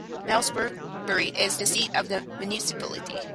Malmesbury is the seat of the municipality.